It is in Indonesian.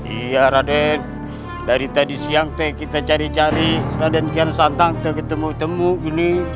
iya raden dari tadi siang kita cari cari raden kian santang ketemu temu ini